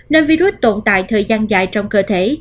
nơi virus tồn tại thời gian dài trong cơ thể